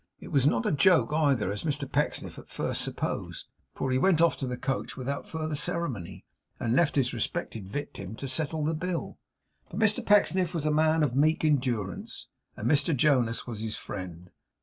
It was not a joke either, as Mr Pecksniff at first supposed; for he went off to the coach without further ceremony, and left his respected victim to settle the bill. But Mr Pecksniff was a man of meek endurance, and Mr Jonas was his friend.